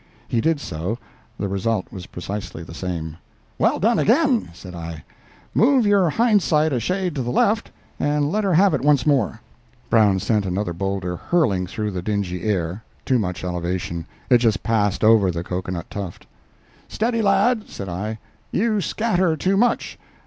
He did so. The result was precisely the same. "Well done again!" said I; "move your hind sight a shade to the left, and let her have it once more." Brown sent another boulder hurling through the dingy air—too much elevation—it just passed over the cocoa nut tuft. "Steady, lad," said I; "you scatter too much.